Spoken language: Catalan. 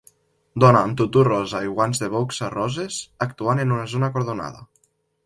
Dona amb tutú rosa i guants de boxa roses actuant en una zona acordonada.